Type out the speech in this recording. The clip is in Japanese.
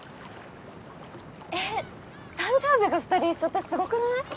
えっ誕生日が２人一緒ってすごくない！？